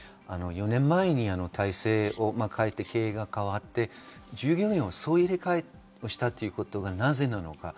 ４年前に体制を変えて、経営が変わって従業員を総入れ替えしたということがなぜなのか。